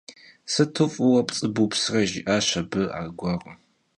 Sıtu f'ıue pts'ı bupsre, - jji'aş abı argueru.